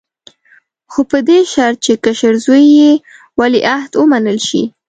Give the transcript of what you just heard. خو په دې شرط چې کشر زوی یې ولیعهد ومنل شي.